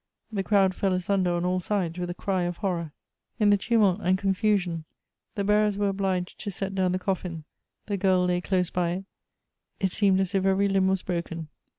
The crowd fell asunder on all sides with a cry of horror. In the tumult and confusion, the bearers were obliged to set down the coffin ; the girl lay close by it , it seemed as if every limb was broken.